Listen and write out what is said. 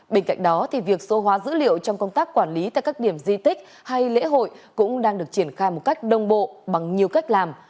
bên cạnh đó việc số hóa dữ liệu trong công tác quản lý tại các điểm di tích hay lễ hội cũng đang được triển khai một cách đông bộ bằng nhiều cách làm